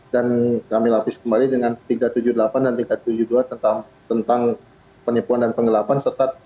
dan kami lapis kembali dengan tiga ratus tujuh puluh delapan dan tiga ratus tujuh puluh dua tentang penipuan dan pengelapan